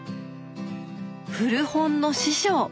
古本の師匠！